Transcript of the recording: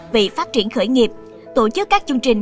về phát triển khởi nghiệp tổ chức các chương trình